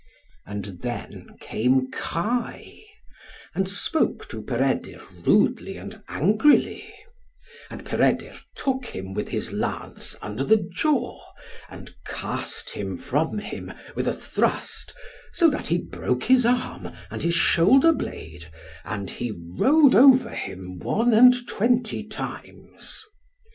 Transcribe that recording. And then came Kai, and spoke to Peredur rudely and angrily; and Peredur took him with his lance under the jaw, and cast him from him with a thrust, so that he broke his arm and his shoulder blade, and he rode over him one and twenty times.